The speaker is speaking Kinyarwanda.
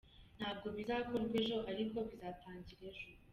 Ntabwo bizakorwa ejo, ariko bizatangira ejo” .